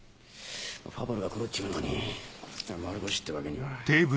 ファブルが来るっちゅうのに丸腰ってわけには。